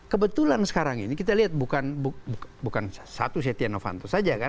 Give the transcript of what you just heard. kebetulan sekarang ini kita lihat bukan satu setia novanto saja kan